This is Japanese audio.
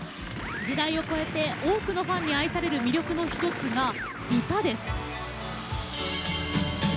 時代を超えて多くのファンに愛される魅力の一つが歌です。